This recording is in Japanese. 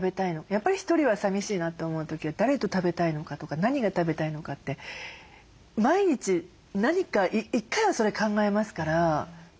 やっぱり１人は寂しいなと思う時は誰と食べたいのかとか何が食べたいのかって毎日何か１回はそれ考えますからすっごく大事なんだと思いますね。